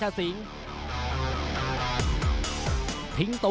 โอ้โฮโอฮโอฮโอฮโอฮโอฮโอฮโอฮโอฮ